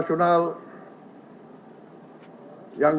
hari ini saya merenungkan satu dan satu